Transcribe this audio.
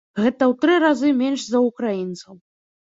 Гэта ў тры разы менш за ўкраінцаў.